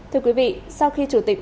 thưa quý vị sau khi chủ tịch